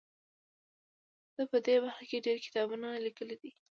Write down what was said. ده په دې برخه کې ډیر کتابونه لیکلي دي.